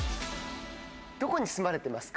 どこに住まれてますか？